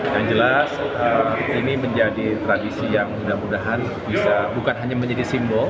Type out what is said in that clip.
yang jelas ini menjadi tradisi yang mudah mudahan bisa bukan hanya menjadi simbol